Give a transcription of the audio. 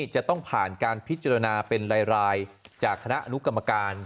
จะต้องผ่านการพิจารณาเป็นรายจากคณะอนุกรรมการ